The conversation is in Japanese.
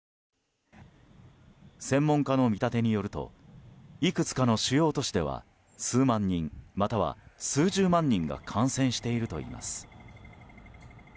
専門家の見立てによるといくつかの主要都市では数万人、または数十万人が感染しているといいます。